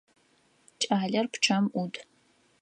Кӏалэр пчъэм ӏут.